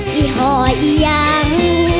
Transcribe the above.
ยี่ห่อยยัง